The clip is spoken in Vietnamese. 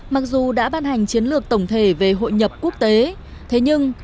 mặc dù đã ban hành chiến lược tổng thể về hội nhập quốc tế thế nhưng